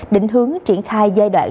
đỉnh hướng triển khai giai đoạn